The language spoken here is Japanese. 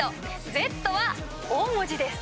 Ｚは大文字です。